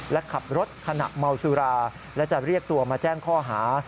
และขับรถขณะเมาสุราและจะเรียกตัวมาแจ้งข้อหา